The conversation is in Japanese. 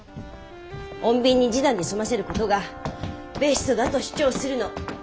穏便に示談で済ませる事がベストだと主張するの。